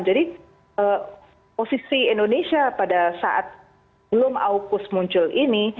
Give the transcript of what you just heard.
jadi posisi indonesia pada saat belum aukus muncul ini